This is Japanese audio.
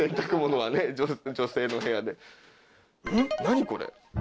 何これ。